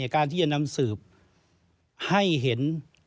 การที่จะนำสืบให้เห็น